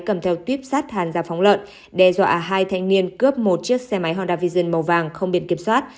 cầm theo tuyếp sát hàn gia phóng lợn đe dọa hai thanh niên cướp một chiếc xe máy honda vision màu vàng không biển kiểm soát